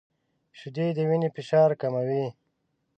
• شیدې د وینې فشار کموي.